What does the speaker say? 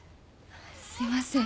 すいません。